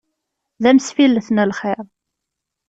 D amsifillet n lxir.